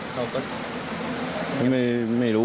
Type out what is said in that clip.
เขาก็ไม่รู้อย่างนั้นครับ